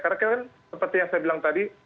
karena kayaknya seperti yang saya bilang tadi